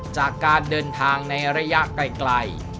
จากการเดินทางในระยะไกล